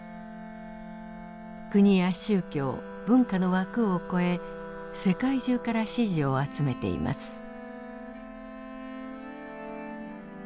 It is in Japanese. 国や宗教文化の枠を超え世界中から支持を集めています。